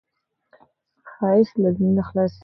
ښایست له زړه نه خلاصېږي